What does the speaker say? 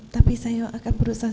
tapi saya akan berusaha